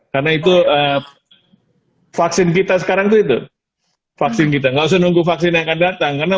karena itu vaksin kita sekarang itu vaksin kita nggak usah nunggu vaksin yang akan datang karena